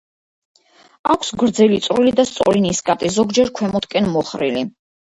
აქვს გრძელი, წვრილი და სწორი ნისკარტი, ზოგჯერ ქვემოთკენ მოხრილი.